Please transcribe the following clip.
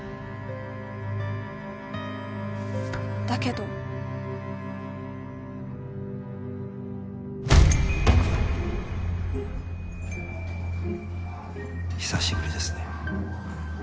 だけど久しぶりですね。